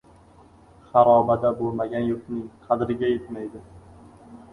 • Xarobada bo‘lmagan yurtning qadriga yetmaydi.